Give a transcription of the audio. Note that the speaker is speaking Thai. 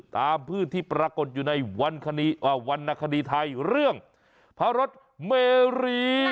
พืชที่ปรากฏอยู่ในวรรณคดีไทยเรื่องพระรสเมรี